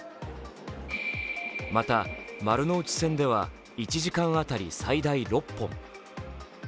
また、丸ノ内線では１時間当たり最大６本。